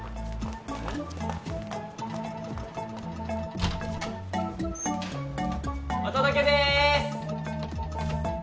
えっ？お届けです！